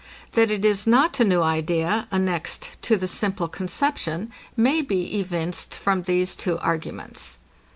That it is not a new idea, annexed to the simple conception, may be evinced from these two arguments.